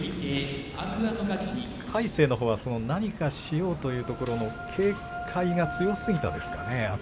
魁聖のほうは何かしようというところの警戒が強すぎたんですかね。